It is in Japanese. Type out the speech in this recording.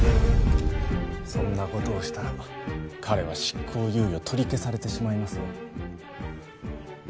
そんな事をしたら彼は執行猶予取り消されてしまいますよ？